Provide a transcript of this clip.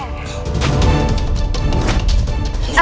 jangan banyak bicara